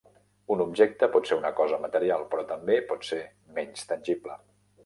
Un objecte pot ser una cosa material, però també pot ser menys tangible.